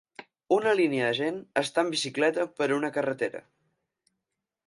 Una línia de gent està en bicicleta per una carretera.